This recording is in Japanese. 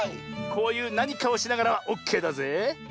こういうなにかをしながらはオッケーだぜえ。